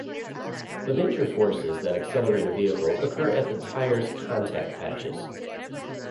The major forces that accelerate a vehicle occur at the tires' contact patches.